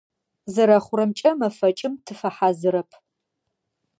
Зэрэхъурэмкӏэ, мэфэкӏым тыфэхьазырэп.